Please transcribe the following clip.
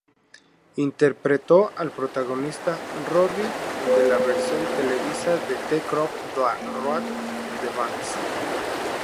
Interpretó al protagonista Rory de la versión televisiva de "The Crow Road" de Banks.